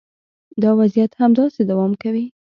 دا وضعیت همداسې دوام کوي.